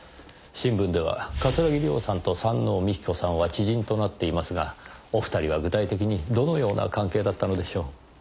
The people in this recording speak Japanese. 新聞では桂木涼さんと山王美紀子さんは知人となっていますがお２人は具体的にどのような関係だったのでしょう？